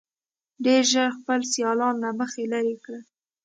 ډېر ژر خپل سیالان له مخې لرې کړل.